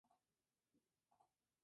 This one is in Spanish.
Se crían vacas, cerdos y aves de corral.